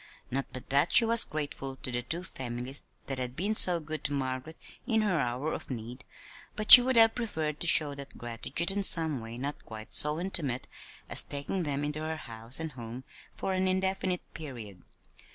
Not but that she was grateful to the two families that had been so good to Margaret in her hour of need, but she would have preferred to show that gratitude in some way not quite so intimate as taking them into her house and home for an indefinite period.